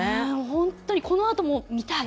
ホントにこのあとも見たい。